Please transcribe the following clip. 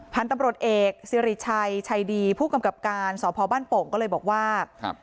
พันธุ์ตำรวจเอกสิริชัยชัยดีผู้กำกับการสพบ้านโป่งก็เลยบอกว่าครับ